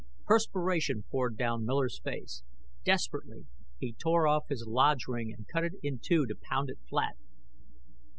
Perspiration poured down Miller's face. Desperately, he tore off his lodge ring and cut it in two to pound it flat.